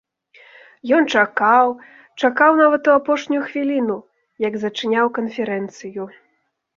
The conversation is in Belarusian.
Ён чакаў, чакаў нават у апошнюю хвіліну, як зачыняў канферэнцыю.